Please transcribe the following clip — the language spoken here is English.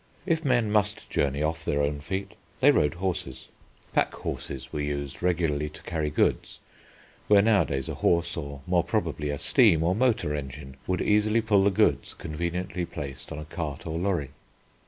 If men must journey off their own feet, they rode horses. Pack horses were used regularly to carry goods, where nowadays a horse or, more probably, a steam or motor engine would easily pull the goods conveniently placed on a cart or lorry.